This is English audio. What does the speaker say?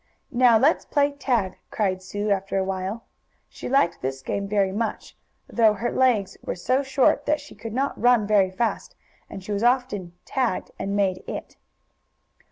"Now let's play tag!" cried Sue, after a while. She liked this game very much, though her legs were so short that she could not run very fast, and she was often "tagged" and made "it."